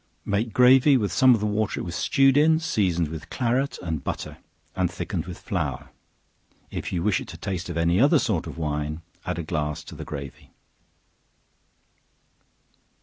Make gravy with some of the water it was stewed in, seasoned with claret and butter, and thickened with flour. If you wish it to taste of any other sort of wine, add a glass to the gravy.